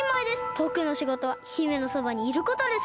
ぼくのしごとは姫のそばにいることですから！